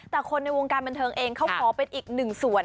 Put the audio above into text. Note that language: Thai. แต่คนในวงการบันเทิงเองเขาขอเป็นอีกหนึ่งส่วน